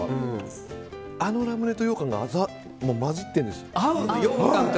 あのラムネとようかんが混じってるんですよ。